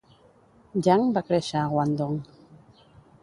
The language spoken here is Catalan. Yang va créixer a Guangdong.